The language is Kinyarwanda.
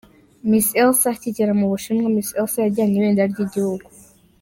Miss Elsa akigera mu BushinwaMiss Elsa yajyanye ibendera ry'igihugu.